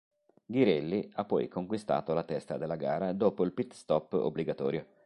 Ghirelli ha poi conquistato la testa della gara dopo il "pit stop" obbligatorio.